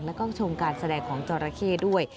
แล้วก็ชมการแสดงของจอราเข้ด้วย